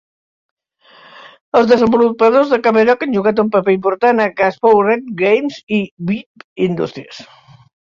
Els desenvolupadors de Cavedog han jugat un paper important a Gas Powered Games i Beep Industries.